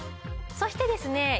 そしてですね